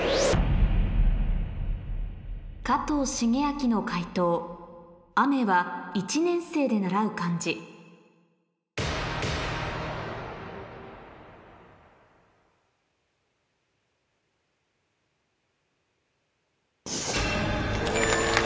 加藤シゲアキの解答「雨は１年生で習う漢字」お！